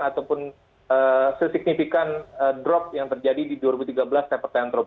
ataupun sesignifikan drop yang terjadi di dua ribu tiga belas taper tentrol